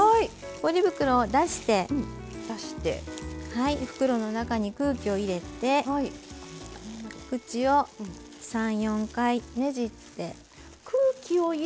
ポリ袋を出して袋の中に空気を入れて口を３４回ねじって。